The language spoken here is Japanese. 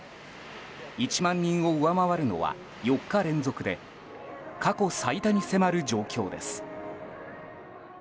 １万人を上回るのは４日連続で過去最多に迫る状況です。